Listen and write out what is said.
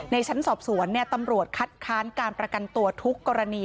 ชั้นสอบสวนตำรวจคัดค้านการประกันตัวทุกกรณี